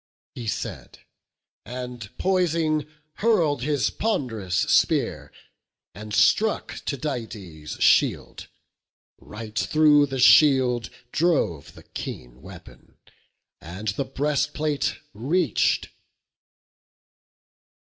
He said; and, poising, hurl'd his pond'rous spear, And struck Tydides' shield; right through the shield Drove the keen weapon, and the breastplate reach'd.